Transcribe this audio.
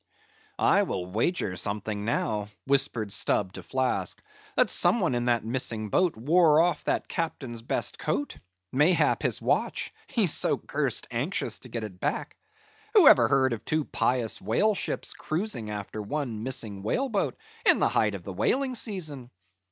"I will wager something now," whispered Stubb to Flask, "that some one in that missing boat wore off that Captain's best coat; mayhap, his watch—he's so cursed anxious to get it back. Who ever heard of two pious whale ships cruising after one missing whale boat in the height of the whaling season?